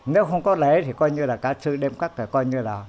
nếu không có lễ thì coi như là cả sư đem các cái coi như là